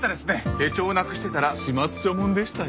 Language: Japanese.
手帳をなくしてたら始末書もんでしたよ。